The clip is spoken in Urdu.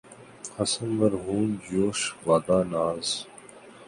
حسن مرہون جوش بادۂ ناز